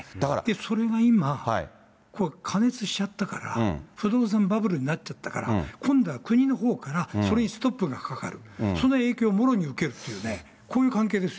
それが今、過熱しちゃったから、不動産バブルになっちゃったから、今度は国のほうからそれにストップがかかる、その影響をもろに受けるっていうね、こういう関係ですよ。